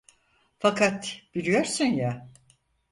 Fakat biliyorsun ya…